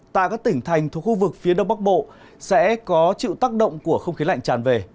tại các tỉnh thành thuộc khu vực phía đông bắc bộ sẽ có chịu tác động của không khí lạnh tràn về